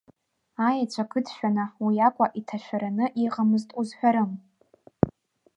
Аеҵәа кыдшәаны уи акәа иҭашәараны иҟамызт узҳәарым.